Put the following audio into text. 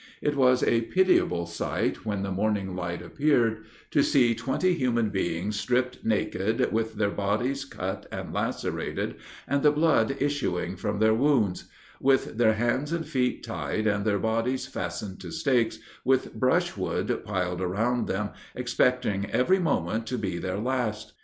It was a pitiable sight, when the morning light appeared, to see twenty human beings stripped naked, with their bodies cut and lacerated, and the blood issuing from their wounds; with their hands and feet tied, and their bodies fastened to stakes, with brushwood piled around them, expecting every moment to be their last.